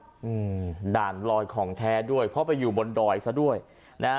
อืมด่านลอยของแท้ด้วยเพราะไปอยู่บนดอยซะด้วยนะฮะ